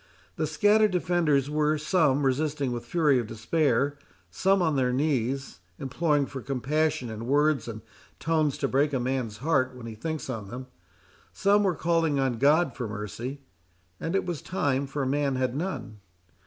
The scattered defenders were, some resisting with the fury of despair; some on their knees, imploring for compassion in words and tones to break a man's heart when he thinks on them; some were calling on God for mercy; and it was time, for man had none.